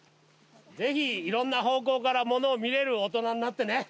ぜひいろんな方向からものを見れる大人になってね。